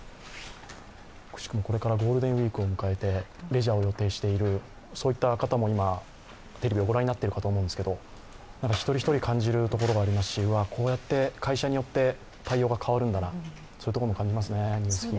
これからゴールデンウイークを迎えてレジャーを予定している方もテレビを御覧になっているかと思うんですけれども一人一人感じるところがありますし、こうやって会社によって対応が変わるんだな、そういうところも感じますね。